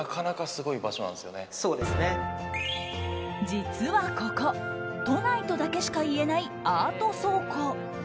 実はここ、都内とだけしか言えないアート倉庫。